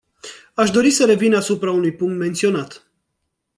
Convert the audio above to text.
Aș dori să revin asupra unui punct menționat.